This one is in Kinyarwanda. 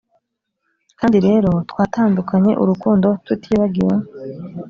kandi rero twatandukanye, urukundo, tutibagiwe